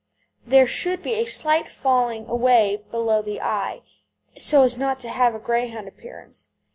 There should be a slight falling away below the eye, so as not to have a Greyhound appearance.